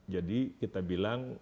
jadi kita bilang